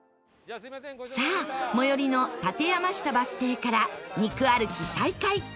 さあ最寄りの館山下バス停から肉歩き再開